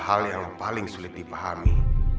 hal yang paling sulit dipahami